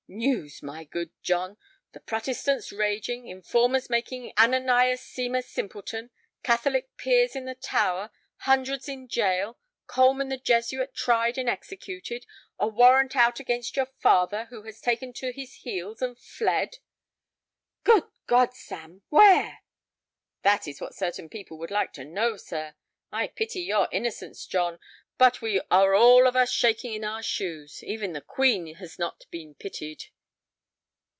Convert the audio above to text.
News, my good John! The Protestants raging, informers making Ananias seem a simpleton, Catholic peers in the Tower, hundreds in jail, Coleman the Jesuit tried and executed, a warrant out against your father, who has taken to his heels and fled." "Good God, Sam! Where?" "That is what certain people would like to know, sir. I pity your innocence, John, but we are all of us shaking in our shoes. Even the Queen has not been pitied."